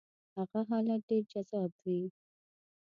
هغه حالت ډېر جذاب وي.